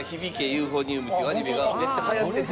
ユーフォニアム』っていうアニメがめっちゃ流行ってて。